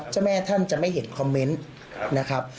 เจ้าแม่ท่านจะไม่เห็นคอมเมนต์นะครับ